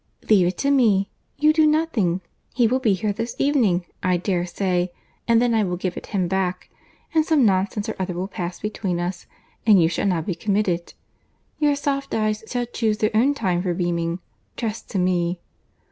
"Leave it to me. You do nothing. He will be here this evening, I dare say, and then I will give it him back, and some nonsense or other will pass between us, and you shall not be committed.—Your soft eyes shall chuse their own time for beaming. Trust to me."